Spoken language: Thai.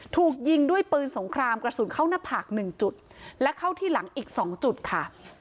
ถูกยิงด้วยปืนสงครามกระสุนเข้าหน้าผากหนึ่งจุดและเข้าที่หลังอีก๒จุดค่ะ